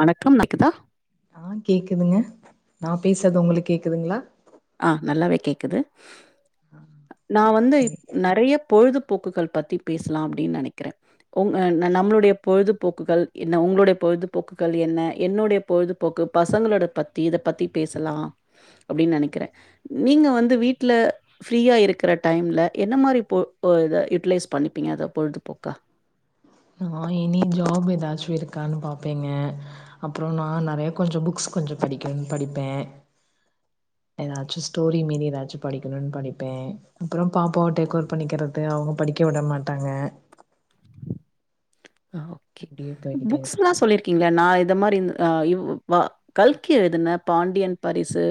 வணக்கம் க்குதா ஆ கேக்குதுங்க நா பேசறது உங்களுக் கேக்குதுங்ளா ஆ நல்லாவே கேக்குது நா வந்து நறைய பொழுது போக்குகள் பத்தி பேசலா அப்டின் நனைக்கற உங் நம்மளுடைய பொழுதுபோக்குகள் என்ன உங்களுடைய பொழுதுபோக்குகள் என்ன என்னுடைய பொழுது போக்கு பசங்களோட பத்தி இத பத்தி பேசலா அப்டின்னு நனைக் கிற நீங்க வந்து வீட்ல ஃப்ரீயா இருக்குற டைம்ல என்ன மாரி போ ஓ இத யூட்டிலைஸ் பண்ணிப்பீங்க அத பொழுதுபோக்கா நா இனி ஜாப் ஏதாச்சு இருக்கான்னு பாப்பேங்க அப்புற நா நறைய கொஞ்சோ புக்ஸ் கொஞ்சோ படிக்க படிப்பே ஏதாச்சு ஸ்டோரி மேறி ஏதாச்சு படிக்கணுன் படிப்பே அப்புறம் பாப்பாவ டேக்வோர் பண்ணிக்கிறது அவுங்க படிக்க உட மாட்டாங்க ஓகே அப்டியே போய்கிட்டே புக்ஸ்லா இருக்கு சொல்லிரு கிங்ளா நா இத மாரி ந் அ வ் வா கல்கி எதுன பாண்டியன் பரிசு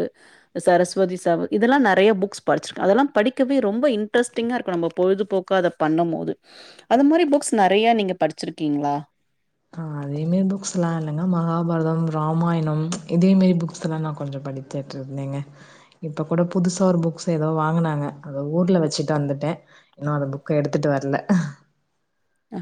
சரஸ்வதி சவ இதெல்லா நறைய புக்ஸ் படிச்சிருக்க அதெல்லா படிக்கவே ரொம்ப இன்ட்ரெஸ்டிங்கா இருக்கு நம்ம பொழுதுபோக்கா பண்ணும் போது அந்த மாரி புக்ஸ் நறைய நீங்க படிச்சிருக்கீங்ளா ஆ அதே மாரி புக்ஸ்லா இல்லங்க மகாபாரதம் ராமாயணம் இதே மாரி புக்ஸ்லா நா கொஞ்சோ படிப் கேட்ருந்தீங்க இப்ப கூட புதுசா ஒரு புக்ஸ் ஏதோ வாங்குனாங்க அத ஊர்ல வச்சுட்டு வந்துட்ட இன்னு அந்த புக்க எடுத்துட்டு வர்ல ஆ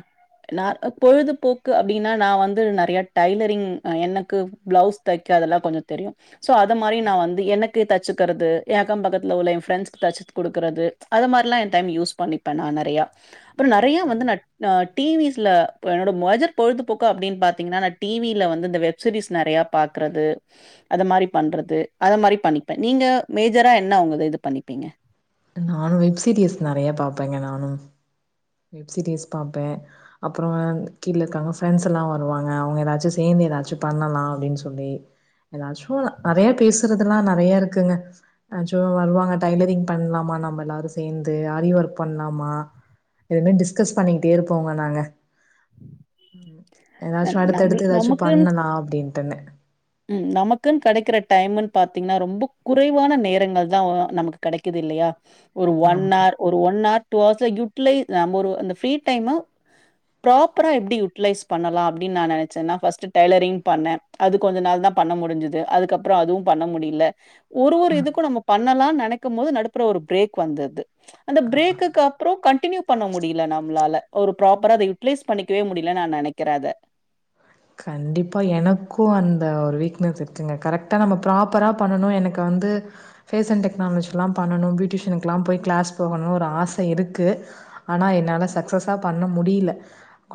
நா பொழுதுபோக்கு அப்டின்னா நா வந்து நறைய டைலரிங் எனக்கு பிளவுஸ் தைக்கா அதெல்லா கொஞ்சோ தெரியு சோ அது மாரி நா வந்து எனக்கு தச்சுக்கறது ஏ அக்கம் பக்கத்துல உள்ள என் ஃப்ரெண்ட்ஸ்க்கு தச்சு குடுக்கறது அத மாரிலா என் டைம் யூஸ் பண்ணிப்பே நா நறையா அப்புற நறைய வந்து ந நா டிவிஸ்ல என்னோட மொஜர் பொழுதுபோக்கு அப்டின்னு பாத்தீங்கன்னா டிவில வந்து இந்த வெப் சீரீஸ் நறைய பாக்றது அ மாரி பண்றது அத மாரி பண்ணிப்ப நீங்க மேஜரா என்ன உங்க இது பண்ணிப்பீங்க நானு வெப் சீரிஸ் நெறைய பாப்பேங்க நானு வெப்சீரிஸ் பாப்பே அப்றோ கீழ இருக்காங்க ஃப்ரெண்ட்ஸ் எல்லா வருவாங்க அவுங்க ஏதாச்சு சேந்து ஏதாச்சு பண்ணலா அப்டின் சொல்லி ஏதாச்சு நெறையா பேசுறதெல்லா நெறையா இருக்குங்க ஆக்சுவலா வருவாங்க டைலரிங் பண்லாமா நம்ம எல்லாரு சேந்து ஆரி ஒர்க் பண்லாமா எதுமே டிஸ்கஸ் பண்ணிக்கிட்டே இருப்போங்க நாங்க அ ஏதாச்சு நம் அடுத்தடுத்து ஏதாச்சு நமக்கு பண்ணலா அப்டின்ட்டுன்னு ம் நமக்குன் கெடைக்கிற டைம்ன் பாத்தீங்ன்னா ரொம்ப குறைவான நேரங்கள் தா நமக்கு கெடைக்குது இல்லையா ஒரு ஒன் ஆமா ஆர் ஒரு ஒன் ஆர் டூ ஹர்ஸ்ல யுட்லை நம்ம ஒரு அந்த ஃப்ரி டைமு ப்ராப்பரா எப்டி யுட்டிலைஸ் பண்ணலா அப்டின் நா நெனைச்சனா ஃப்ஸ்ட்டு டைலரிங் பண்ணே அது கொஞ்ச நாள் தா பண்ண முடிஞ்சிது அதுக்கப்றோ அதுவு பண்ண முடில ஒரு ஒரு இதுக்கு நம்ம பண்ணலா நெனைக் கும்போது நடப்புற ஒரு பிரேக் வந்தது அந்த பிரேக்குக்கு அப்றோ கண்டினியூ பண்ண முடியல நம்மளால ஒரு ப்ராப்பரா அத யுட்டிலைஸ் பண்ணிக்கவே முடியல நா நெனைக் கறே அத கண்டிப்பா எனக்கு அந்த ஒரு வீக்னஸ் இருக்குங்க கரெக்டா நம்ம ப்ராப்பரா பண்ணனு எனக்கு வந்து ஃபேஷன் டெக்னாலஜிகல்லா பண்ணணு பியூட்டிஷனுக்லா போய் கிளாஸ் போகணு ஒரு ஆச இருக்கு ஆனா என்னால சக்சஸா பண்ண முடியல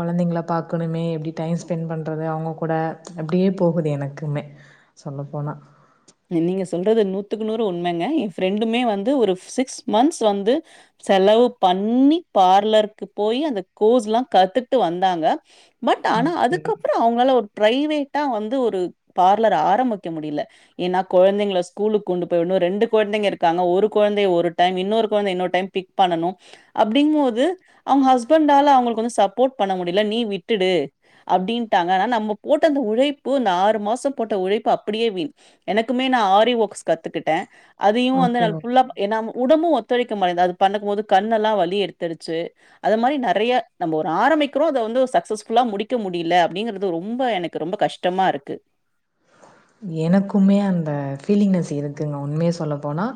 கொழந்தைங்கல பாக்கணுமே எப்டி டைம் ஸ்பெண்ட் பண் றது அவ்ங்க கூட அப்டியே போகுது எனக்குமே சொல்ல போனா நீங்க சொல்றது நூத்துக்கு நூறு உண்மைங்க எ ஃப்ரெண்டுமே வந்து ஒரு சிக்ஸ் மந்த்ஸ் வந்து செலவு பண்ணி பார்லருக்கு போய் அந்த கோஸ்ல்லா கத்துட்டு வந்தாங்க பட் ஆனா ஓகே. அதுக்கப்றோ அவுங்களால ஒரு பிரைவேட்டா வந்து ஒரு பார்லர் ஆரம்பிக்க முடியல ஏனா கொழந்தைங்கள ஸ்கூலுக்கு கொண்டு போய்விடுனு ரெண்டு கொந்தைங்க இருக்காங்க ஒரு கொழந்த ஒரு டைம் இன்னொரு கொழந்த இன்னொரு டைம் பிக் பண்ணனு அப்டிங்போது அவுங்க ஹஸ்பண்டால அவுங்களுக்கு வந்து சப்போர்ட் பண்ண முடியல நீ விட்டுடு அப்டின்ட்டாங்க ஆனா நம்ம போட்ட அந்த உழைப்பு இந்த ஆறு மாசோ போட்ட உழைப்பு அப்டியே வீண் எனக்குமே நா ஆரி ஒக்ஸ் கத்துக்கிட்டே அதையு வந்து ஓகே, நா ஓகே. ஃபுல்லா ஏனா ம் உடம்பு ஒத்துழைக்க மாட்டேங்குது அது பண்ணக்கும்போது கண்ணல்லா வலி எடுத்துடுச்சு அது மாரி நெறைய நம்ம ஒரு ஆரம்பிக்கிறோ அத வந்து சக்சஸ் ஃபுல்லா முடிக்க முடில அப்டிங்கறது ரொம்ப எனக்கு ரொம்ப கஷ் டமா இருக்கு எனக்குமே அந்த ஃபீலிங்னஸ் இருக்குங்க உண்மைய சொல்ல போனா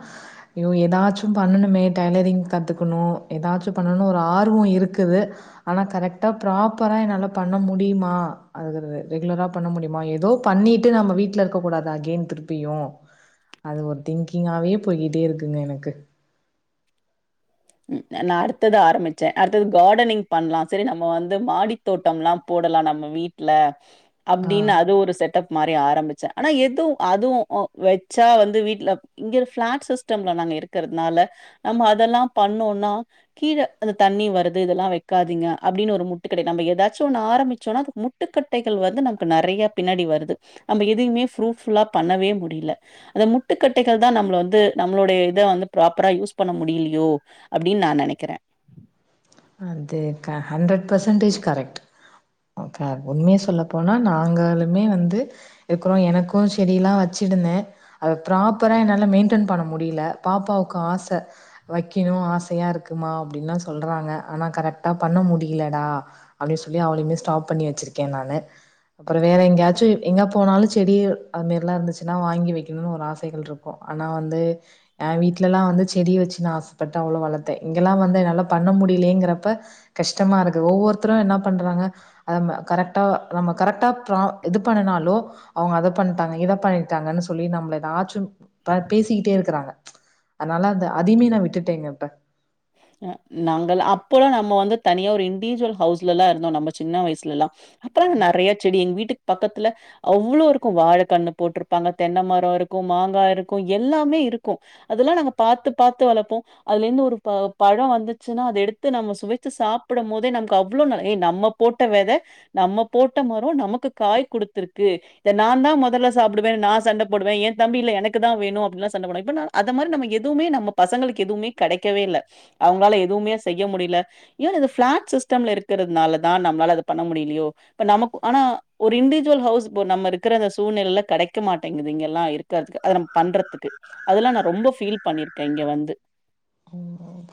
ஐயோ ஏதாச்சு பண்ணணுமே டெய்லரிங் கத்துகணு ஏதாச்சு பண்ணணு ஒரு ஆர்வோ இருக்குது ஆனா கரெக்டா ப்ராப்பரா என்னால பண்ண முடியுமா அது ரெ ரெகுலரா பண்ண முடியுமா எதோ பண்ணிட்டு நம்ம வீட் ல இருக்கக்க கூடாது அகேய்ன் திருப்பியு அது ஒரு திங்கிங்காவே போய்கிட்டே இருக்குங்க எனக்கு நா அடுத்தது ஆரம்பிச்சே அடுத்தது கார்டனிங் பண்லா செரி நம்ம வந்து மாடி தோட்டம்ல்லா போடலா நம்ம வீட்ல ஆ. அப்டின்னு அது ஒரு செட்டப் மாரி ஆரம்பிச்சே ஆனா எது அதுவு உ வச்சா வந்து வீட்ல இங்க பிளாட் சிஸ்டம்ல நாங்க இருக்கிறதுனால நம்ம அதெல்லா பண்ணோனா கீழே அது தண்ணி வருது இதெல்லா வெக்காதீங்க அப்டின்னு ஒரு முட்டு கட்டை நம்ம ஏதாச்சும் ஒண்ண ஆரம்பிச்சோனா அது மு ட்டுக்கட்டைகள் வந்து நமக்கு நெறையா பின்னாடி வருது நம்ம எதுவுமே ப்ரூஃப் ஃபுல்லா பண்ணவே முடில அந்த முட்டுக்கட்டைகள் தா நம்மள வந்து நம்மளுடைய இத வந்து ப்ராப்பரா யூஸ் பண்ண முடியலையோ அப்டின் நா நெனைக்கறே அத்தே தா ஹண்டர் பர்சன்டேஜ் கரெக்ட் ஓகே உண்மைய சொல்லப்போனா நாங்காளுமே வந்து இக்றோ எனக்கு செடியிலா வச்சிடுந்தே. அத ப்ராப்பரா என்னால மெயின்டென் பண்ண முடியில பாப்பாவுக்கு ஆச. வக்கிணு ஆசையா இருக்குமா அப்டின்னா சொல்றாங்க. ஆனா கரெக்ட்டா பண்ண முடியிலடா அப்டி சொல்லி அவளையுமே ஸ்டாப் பண்ணி வெச்சிருக்கே நானு. அப்புற வேற எங்யாச்சு எங்க போனாலு செடி அதுமேர்லா இருந்துச்சுன்னா வாங்கி வெக்குணுன் ஒரு ஆசைகள்ரு க்கு ஆனா வந்து ஏ வீட்லெல்லா வந்து செடி வெச்சு நா ஆசப்பட்டு அவ்ளோ வளத்தே இங்கெல்லா வந்து என்னால பண்ண முடி லியேங்கறப்ப கஷ்டமாருக்கு. ஒவ்வொருத்துரு என்ன பண்றாங்க அதம்ப கரெக்டா நம்ம கரெக்டா பிரா இது பண்ணுனாலோ அவுங்க அத பண்ட்டாங்க இத பண்ணிட்டாங்கன்னு சொல்லி நம்மள எதாச்சும் ப பேசிகிட்டே இருக்கறாங்க. அதனால அந்த அதிமே நா விட்டுட்டேங்க இப்ப. அ நாங்கள் அப்போலா நம்ம வந்து தனியா ஒரு இண்டிஜுவல் ஹவுஸ்லல்லா இருந்தோ நம்போ சின்ன வயசுலெல்லா. அப்புற அது நறையா செடி எங் வீட்டுக் பக்கத்ல அவ்ளோ இருக்கு வாழ கண்ணு போட்ருப்பாங்க தென்ன மரோ இருக்கு மாங்கா இருக்கு எல்லாமே இருக்கு. அதுல்லா நாங்க பாத்து பாத்து வளப்போ. அதுல இந்து ஒரு ப பழோ வந்துச்சுன்னா அத எடுத்து நம்ம சுவைச்சி சாப்படம் போதே நம்க்கு அவ்ளோ ந ஏ நம்ம போட்ட வெத நம்ம போட்ட மரோ நமக்கு காய் குடுத்துருக்கு. இத நாந்தா மொதல்ல சாப்டுவேனு நா சண்ட போடுவே எ தம்பி இல்ல எனக்கு தா வேணு அப்பிட்லா சண்ட போடுவா இப்ப நாலா அந்த மாரி நம்ம எதுவுமே நம்ம பசங்களுக்கு எதுவுமே கெடைக்கவே இல்ல அவுங்ளால எதுவுமே செய்ய முடில. ஏ இது ஃபிளாட் சிஸ்டம்ல இருக்கிறதுனாலதா நம்ளால அது பண்ண முடிலியோ இப்ப நமக் ஆனா ஒரு இண்டிவிஜுவல் ஹவுஸ் ப்போ நம்ம இருக்கற இந்த சூழ்நில்ல கெடைக்க மாட்டிங்குது இங்கெல்லா இரு க்காதுக்க அத நம் பண்றதுக்கு அதுல்லா நா ரொம்போ ஃபீல் பண்ணிருக்கே இங்க வந்து.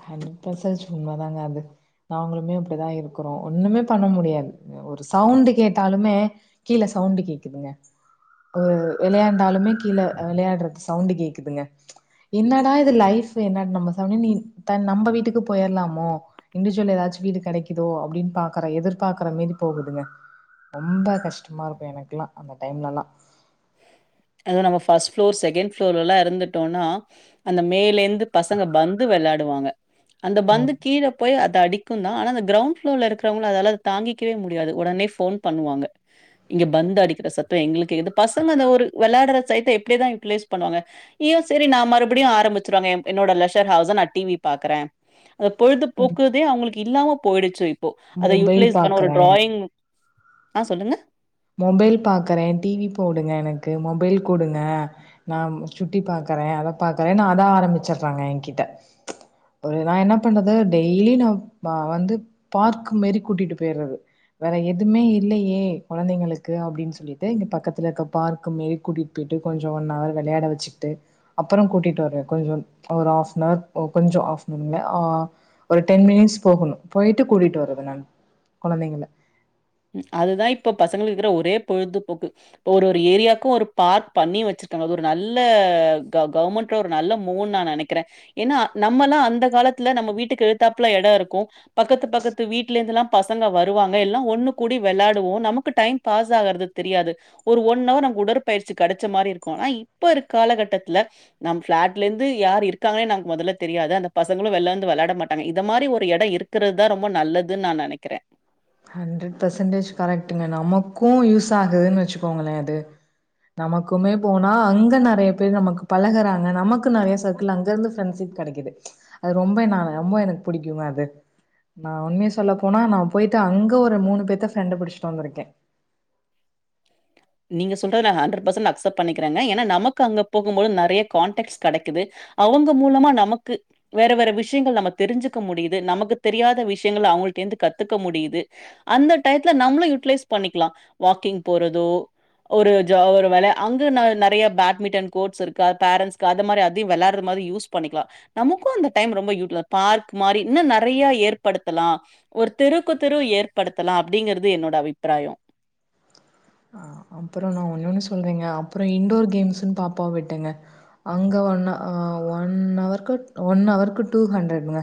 ஹன்ரட் பசஜ் உண்ம தாங்க அது நாங்குளுமே அப்டிதா இருக்குறோ ஒண்ணுமே பண்ண முடியாது. அ ஒரு சவுண்டு கேட்டாலுமே கீழ சவுண்டு கேக்குதுங்க. ஒ வெளையாண்டாலுமே கி கீழ அ வெளையாட்றது சவுண்டு கேக்குதுங்க என்னடா இது லைஃப் என்னட் நம்ம [unintelligible] நீ த நம்ப வீட்டுக்கு போயர்லாமோ இன்டிஜுவல் எதாச்சு வீடு கெடைக்கிதோ அப்டின் பாக்கற எதிர்பாக்ற மாரி போகுதுங்க. ரொம்ப கஷ்டமாருக்கு எனக்ல்லா அந்த டைம்லெல்லா. அது நம்ம ஃபஸ் ஃப்ளோர் செகண்ட் ஃப்ளோர்லல்லா இருந்துட்டோனா அந்த மேலெந்து பசங்க பந்து வெளாடுவாங்க அந்த ஆ பந்து கீழ போய் அ தடிக்குந்தா ஆனா அது கிரவுண் ஃபுளோர்ல இருக்றவங்களு அதால அத தாங்கிக்கவே முடியாது உடனே ஃபோன் பண்ணுவாங்க. இங்க பந்து அடிக்கிற சத்தோ எங்குளுக்கு கேக்குது. பசங்க அந்த ஒரு வெளாட்ற சைட்ட எப்டிதா யுட்டிலைஸ் பண்ணுவாங்க. ய்யோ செரி நா மறுபடியு ஆரம்பிச்சுருவாங்க எம் என்னோட லெஷர் ஹவுஸ நா டி வி பாக்கறே. அத பொழுது போக்குதே அவுங்குளுக்கு இல்லாம போயிடுச்சு இப்போ அத மொபைல் யுட்டிலைஸ் பண்ண ஒரு பாக்குறே டிராயிங் ஆ சொல்லுங்க. மொபைல் பாக்கறே டி வி போடுங்க எனக்கு மொபைல் குடுங்க. நாம் சுட்டி பாக்கறே அத பாக்கறேன்னு அதா ஆரம்பிச்சர்றாங்க எங்கிட்ட. ஒரு நா என்ன பண்றது டெய்லி நாப் அ வந்து பார்க்கு மாரி கூட்டிட்டு போயிர்றது. வேற எதுமே இல்லையே கொழந்தைங்களுக்கு அப்டின் சொல்லிட்டு இங்க பக்கத்ல இருக்க பார்குமேரி கூட்டிட் போய்ட்டு கொஞ்சோ ஒன் அவர் வெளையாட வெச்சிட்டு அப்பறோ கூட்டிட்டு வருவே கொஞ்சம் ஒரு ஹாஃப்னவர் ஒ கொஞ்சோ ஆஃப்னதுமே ஆ ஒரு டென் மினிட்ஸ் போகுணு போயிட்டு கூட்டிட்டு வரது நானு கொழந்தைங்கள ம் அதுதா இப்ப பசங்களுக்கு இக்கற ஒரே பொழுதுபோக்கு. இப்ப ஒரு ஒரு ஏரியாக்கு ஒரு பார்க் பண்ணி வெச்சிர்க்காங்க அது ஒரு நல்ல க கவுமெண் ட்ரு ஒரு நல்ல மூன் நா நனைக்கிற ஏன்னா நம்மல்லா அந்த காலத்துல நம்ம வீட்டுக்கு எதுத்தாப்புல எட இருக்கு பக்கத்து பக்கத்து வீட்டுலெர்ந்துல்லா பசங்க வருவாங்க எல்லா ஒண்ணு கூடி வெளாடுவோ நமக்கு டைம் பாஸ் ஆகறது தெரியாது ஒரு ஒன் அவர் நம் உடற்பயிற்சி கெடச்ச மாரி இருக்கு ஆனா இப்ப இருக் காலகட்டத்ல நம் ஃபிளாட்லெந்து யாரு இருக்காங்னே நமக் மெதல்ல தெரியாது அந்த பசங்களு வெள்ளந்து வெளாட மாட்டாங்க இத மாரி ஒரு எட இருக் கிறத்தா ரொம்ப நல்லதுன் நா நெனைக்கிற ஹண்ட்ரட் பர்சன்டேஜ் கரெக்டுங்க நமக்கு யூஸ் ஆகுதுன் வெச்சுக்கோங்களே அது நமக்குமே போனா அங்க நெறைய பேர் நமக்கு பழகுறாங்க நமக்கு நெறைய சர்க்கிள் அங்க இருந்து ஃப்ரெண்ஷிப் கெடைக்குது அது ரொம்ப நா ரொம்ப எனக்கு பிடிக்கு அது நா உண்மிய சொல்ல போனா நா போய் ட்டு அங்க ஒரு மூணு பேத்த ஃப்ரெண்டு புடிஷ்ட்டு வந்துருக்கே நீங்க சொல்றத் நா ஹண்ரட் பசண் அக்சப் பண்ணிக்குறேங்க ஏன்னா நமக்கு அங்க போகும் பொழுத் நறைய கான்டாக்ட்ஸ் கெடைக்குது அவுங்க மூலமா நமக்கு வேற வேற விஷயங்கள் நம்ம தெரிஞ்சுக்க முடியுது நமக்கு தெரியாத விஷயங்கள்லா அவ்ங்கிள்ட்டேந்து கத்துக்க முடியுது அந்த டயத்துல நம்பளு யூட்டிலைஸ் பண்ணிக்கலா வாக்கிங் போறதோ ஒரு ஜ ஒரு வெளயா அங்க ந நெறைய பேட்மிட்டன் கோட்ஸ் இருக்கு அ பேரன்ஸ்க்கு அது மாரி அதையு வெளாடுற மாரி யூஸ் பண்ணிக்கலா நமக்கு அந்த டைம் ரொம்ப யூட்ல பார்க் மாரி இன்னு நெறைய ஏற்படுத்தலா ஒரு தெருக்கு தெரு ஏற்படுத்தலா அப்டிங்கிறது என்னோட அபிப்பிராயோ அப்புற நா ஒன்னொன்னு சொல்றேங்க அப்புற இன்டோர் கேம்ஸ்ன் பாப்பாவா விட்டேங்க அங்க ஒன் அ ஒன் அவர்க்கு ஒன் அவருக்கு டூ ஹண்ட்ரடுங்க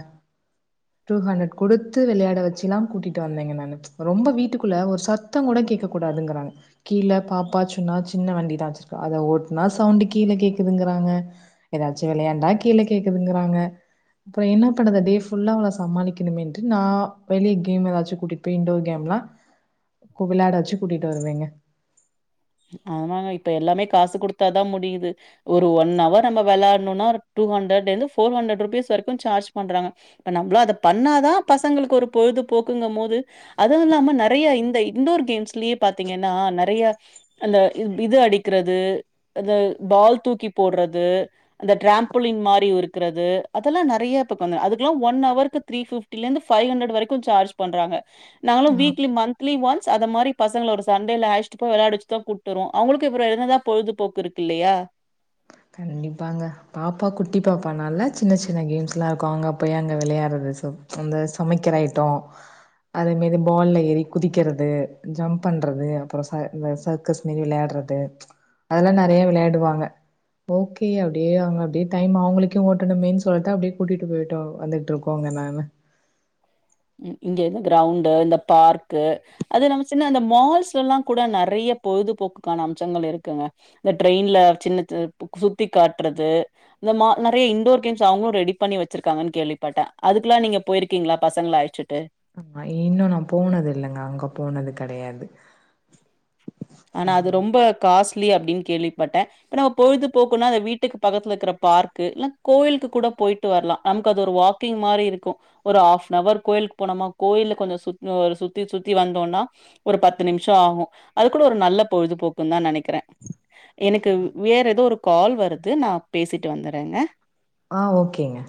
டூ ஹண்ட்ரட் குடுத்து விளையாட வச்சுல்லா கூட்டிட்டு வந்தேங்க நானு ரொம்ப வீட்டுக்குள்ள ஒரு சத்தங் கூட கேக்க கூடாதுங்கறாங்க கீழ பாப்பா சின்னா சின்ன வண்டிதா வெச்சிருக்க அத ஓட்னா சவுண்டு கீழ கேக்குதுங்கிறாங்க எதாச்சும் விளையாண்டா கீழ கேக்குதுங்குறாங்க அப்பற என்ன பண்ணது டே ஃபுல்லா அவள சமாளிக்கணுமேன்ட்டு நா வெளி கேம் எதாச்சு கூட்டிட்போய் இன்டோர் கேம்லா கு விளாட வெச்சு கூட்டிட்டு வருவேங்க ஆமாங்க இப்ப எல்லாமே காசு குடுத்தாதா முடியுது ஒரு ஒன் அவர் நம்ப விளாட்ணுன்னா ஒரு டூ ஹண்ட்ரட்லேந்து ஃபோர் ஹண்ட்ரட் ருப்பீஸ் வரைக்கு சார்ஜ் பண்றாங்க இப்ப நம்ப்ளு அத பண்ணாதா பசங்களுக்கு ஒரு பொழுது போக்குங்கமோது அதுவு இல்லாம நெறைய இந்த இன்டோர் கேம்ஸ்லியே பாத்தீங்கன்னா நெறைய அந்த இ இது அடிக்கிறது அந்த பால் தூக்கி போடுறது அந்த ட்ரேம்பிளிங் மாரி இருக்கிறது அதெல்லா நெறைய இப்ப வந்து அதுக்ல்லா ஒன் அவருக்கு த்ரீ ஃபிஃப் டிலேந்து ஃபை ஹண்ட்ரட் வரைக்கு சார்ஜ் பண்றாங்க நாங்களு ஆ. வீக்லி மந்த்லி ஒன்ஸ் அத மாரி பசங்கள ஒரு சண்டேல அயஷ்ட்டு போய் விளாட் வெச்சுட் தா கூட்டருவோ அவுங்களுக்கு அப்புற என்னதா பொழுதுபோக்கு இருக்கில்லையா கண்டிப்பாங்க பாப்பா குட்டி பாப்பானால சின்ன சின்ன கேம்ஸ்லா இக்கு அங்கே போய் அங்க விளையாட்றது சோ அந்த சமைக்கிற ஐட்டோ அதே மாரி பால்ல ஏறி குதிக்கிறது ஜம்ப் பண்றது அப்புற ச இந்த ச ர்கஸ் மாரி விளையாட்றது அதெல்லா நெறைய விளையாடுவாங்க ஓகே அப்டியே அவுங்க அப்டியே டைம் அவங்களுக்கு ஓட்டணுமேன் சொல்ட்டு அப்டே கூட்டிட்டு போய்டு வந்துகிட்ருக்கோங்க நானு இங்க இந்த க்ரௌண்டு இந்த பார்க்கு அது நம்ம சின்ன அந்த மால்ஸ் எல்லா கூட நெறைய பொழுதுபோக்குக்கான அம்சங்கள் இருக்குங்க இந்த ட்ரெயின்ல சின்ன சின் பு சுத்தி காட்டுறது இந்த மா நெறைய இன்டோர் கேம்ஸ் அவுங்களு ரெடி பண்ணி வெச்சிருக்காங்கன் கேள்விப்பட்ட அதுக்கல்லா நீங்க போயிருக்கீங்ளா பசங்கள அழ ச்சுட்டு ஆ இன்னு நா போனது இல்லைங்க அங்க போனது கெடையாது ஆனா அது ரொம்ப காஸ்ட்லி அப்படின்னு கேள்விப்பட்டே இப்ப நம்ம பொழுது போக்குனா அந்த வீட்டுக்கு பக்கத்துல இருக்கிற பார்க்கு இல்ல கோயிலுக்கு கூட போயிட் டு வர்லா நமக்கு அது ஒரு வாக்கிங் மாரி இருக்கு ஒரு ஹாஃப்ன் அவர் கோயிலுக்கு போனோம்மா கோயில கொஞ்சோ சு சுத்தி சுத்தி வந்தோன்னா ஒரு பத்து நிமிஷம் ஆகு அது க்கூட ஒரு நல்ல பொழுதுபோக்குன் தா நெனைக்கிறே எனக்கு வேற எதோ ஒரு கால் வருது நா பேசிட்டு வந்துறேங்க ஆ ஓகேங்க